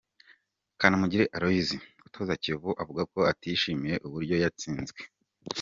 Kanamugire Aloys, utoza Kiyovu avuga ko atishimiye uburyo yatsinzwe.